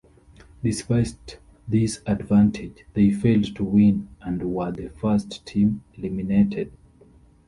Despite this advantage, they failed to win and were the first team eliminated.